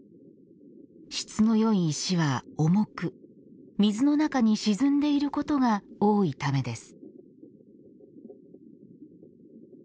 質の良い石は重く水の中に沈んでいることが多いためです。